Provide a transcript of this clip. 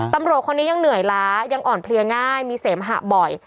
ตำรวจคนนี้ยังเหนื่อยล้ายังอ่อนเพลียง่ายมีเสมหะบ่อย